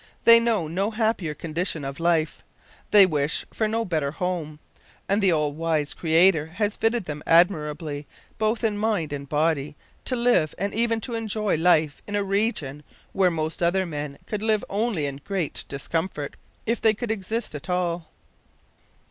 They know no happier condition of life. They wish for no better home, and the All wise Creator has fitted them admirably, both in mind and body, to live and even to enjoy life in a region where most other men could live only in great discomfort, if they could exist at all.